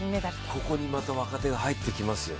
ここにまた若手が入ってきますよ